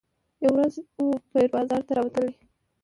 یوه ورځ وو پیر بازار ته راوتلی